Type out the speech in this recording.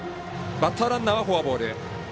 バッターランナーはフォアボール。